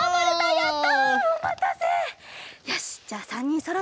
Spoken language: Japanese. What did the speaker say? やった。